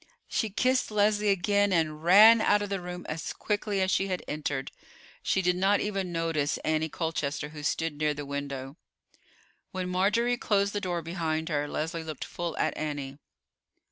She kissed Leslie again, and ran out of the room as quickly as she had entered. She did not even notice Annie Colchester, who stood near the window. When Marjorie closed the door behind her. Leslie looked full at Annie.